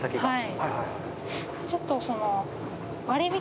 はい。